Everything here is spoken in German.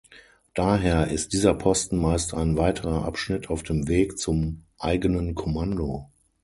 Daher ist dieser Posten meist ein weiterer Abschnitt auf dem Weg zum eigenen Kommando.